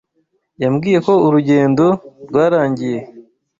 Yambwiye ko urugendo rwarangiye.